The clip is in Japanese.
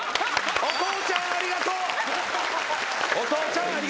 お父ちゃんありがとう。